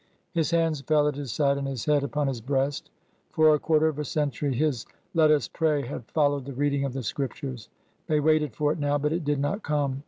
His hands fell at his side and his head upon his breast. For a quarter of a century his '' Let us pray " had fol lowed the reading of the Scriptures. They waited for it now, but it did not come.